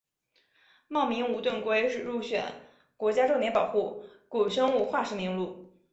茂名无盾龟是入选国家重点保护古生物化石名录。